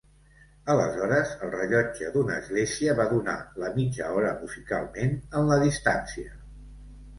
Aleshores el rellotge d'una església va donar la mitja hora musicalment, en la distància.